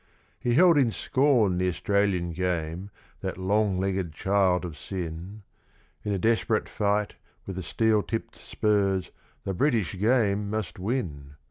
He held in scorn the Australian Game, that long legged child of sin; In a desperate fight, with the steel tipped spurs, the British Game must win!